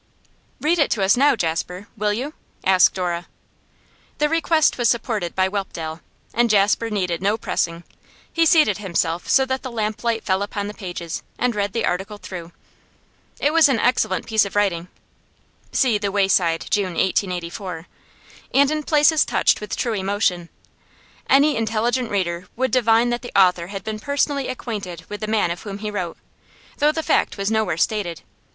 'Read it to us now, Jasper, will you?' asked Dora. The request was supported by Whelpdale, and Jasper needed no pressing. He seated himself so that the lamplight fell upon the pages, and read the article through. It was an excellent piece of writing (see The Wayside, June 1884), and in places touched with true emotion. Any intelligent reader would divine that the author had been personally acquainted with the man of whom he wrote, though the fact was nowhere stated.